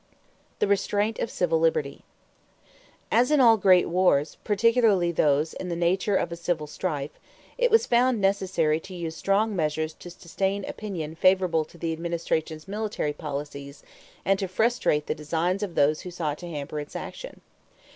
=The Restraint of Civil Liberty.= As in all great wars, particularly those in the nature of a civil strife, it was found necessary to use strong measures to sustain opinion favorable to the administration's military policies and to frustrate the designs of those who sought to hamper its action.